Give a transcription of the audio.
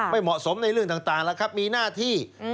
ไม่เหมาะสมในเรื่องต่างมีหน้าที่